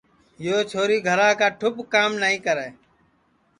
یو چھوری گھرا ٹُوپ کام نائی کرے